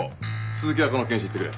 鈴木はこの検視行ってくれ。